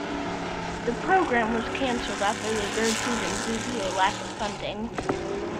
The program was canceled after the third season due to a lack of funding.